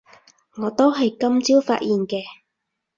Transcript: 我都係今朝發現嘅